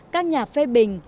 các nhà phê bình